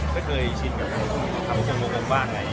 ก็เคยชินกับทัพโครงโบงบ้าง